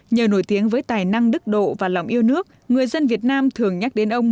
nhờ nổi tiếng với tài năng đức độ và lòng yêu nước người dân việt nam thường nhắc đến ông